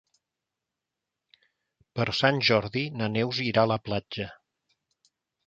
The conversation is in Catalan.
Per Sant Jordi na Neus irà a la platja.